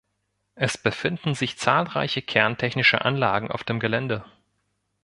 Es befinden sich zahlreiche kerntechnische Anlagen auf dem Gelände.